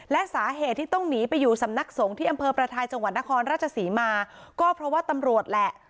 และสาเหตุที่ต้องหนีไปอยู่สำนักสงฆ์ที่อำเภอประทายจังหวัดนครราชศรีมาก็เพราะว่าตำรวจแหละ